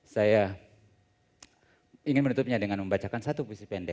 saya ingin menutupnya dengan membacakan satu puisi pendek